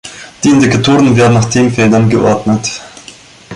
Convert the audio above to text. Die Indikatoren werden nach Themenfeldern geordnet.